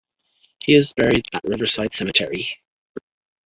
He is buried at Riverside Cemetery.